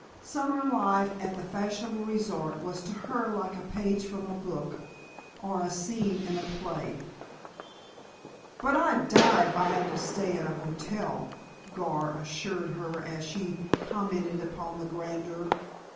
Summer life at a fashionable resort was to her like a page from a book, or a scene in a play. "But I'd die if I had to stay at a hotel," Gar assured her as she commented upon the grandeur.